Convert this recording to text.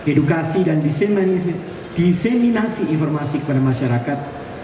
edukasi dan diseminasi informasi kepada masyarakat